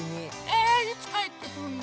えいつかえってくるの？